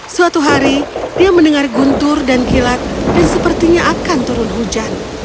suatu hari dia mendengar guntur dan kilat dan sepertinya akan turun hujan